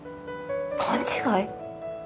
勘違い？